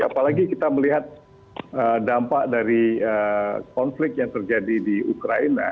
apalagi kita melihat dampak dari konflik yang terjadi di ukraina